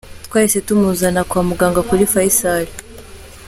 Twahise tumuzana kwa muganga kuri Faisal."